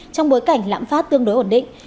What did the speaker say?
trong bối cảnh lãm phát tương đối ổn định